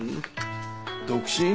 独身？